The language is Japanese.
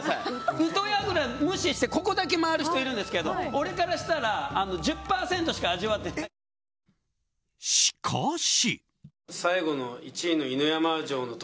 宇土櫓を無視してここだけ回る人いるんですけど俺からしたら１０％しか味わってないから。